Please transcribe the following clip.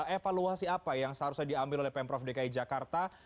evaluasi apa yang seharusnya diambil oleh pemprov dki jakarta